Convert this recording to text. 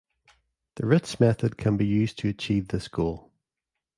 The Ritz method can be used to achieve this goal.